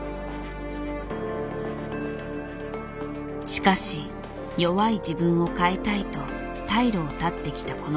しかし弱い自分を変えたいと退路を断ってきたこの道。